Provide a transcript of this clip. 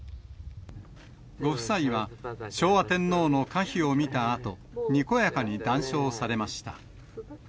ご夫妻は、昭和天皇の歌碑を見たあと、にこやかに談笑されました。